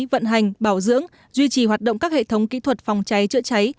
vận hành bảo dưỡng duy trì hoạt động các hệ thống kỹ thuật phòng cháy chữa cháy